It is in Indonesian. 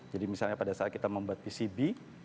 jadi misalnya pada saat kita membuat pcb